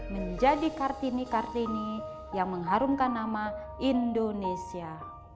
menjadi kartini kartini yang mengharumkan nama indonesia